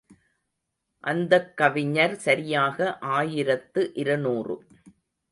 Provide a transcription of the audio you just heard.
அந்தக் கவிஞர் சரியாக ஆயிரத்து இருநூறு.